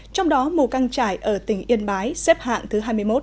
trong đó mù căng trải ở tỉnh yên bái xếp hạng thứ hai mươi một